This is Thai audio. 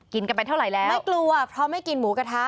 กินกันไปเท่าไหร่แล้วไม่กลัวเพราะไม่กินหมูกระทะ